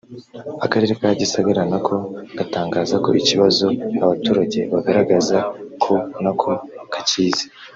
Akarere ka Gisagara nako gatangaza ko ikibazo abaturage bagaragaza ko nako kakizi